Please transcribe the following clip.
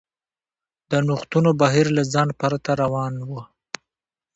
د نوښتونو بهیر له ځنډ پرته روان و.